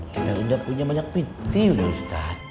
kita udah punya banyak piti udah ustadz